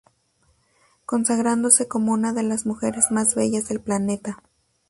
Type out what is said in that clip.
Consagrándose como una de las mujeres más bellas del planeta.